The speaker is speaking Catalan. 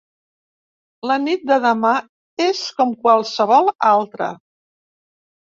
La nit de demà és com qualsevol altra.